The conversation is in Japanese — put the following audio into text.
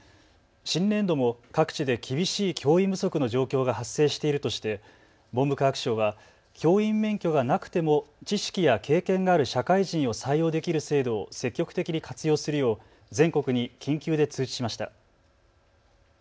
新年度も各地で厳しい教員不足の状況が発生しているとして文部科学省は教員免許がなくても知識や経験がある社会人を採用できる制度を積極的に活用するよう全国に緊急で通知しました。